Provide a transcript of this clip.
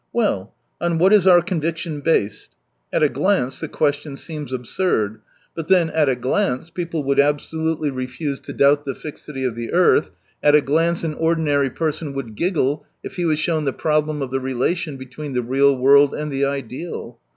Well — on what is our conviction based t At a glance the question seems absurd. But then at a glance people would absolutely refuse to doubt the fixity of the earth, at a glance an ordinary person would giggle if he was shown the problem of the relation between the real world and the ideal.